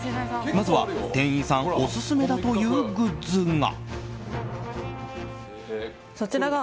まずは、店員さんオススメだというグッズが。